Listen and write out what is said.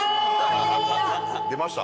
出ました。